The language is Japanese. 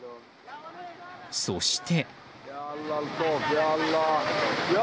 そして。